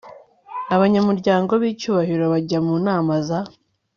abanyamuryango b icy ubahiro bajya mu nama za